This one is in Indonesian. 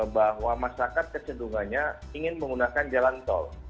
bahwa masyarakat kecenderungannya ingin menggunakan jalan tol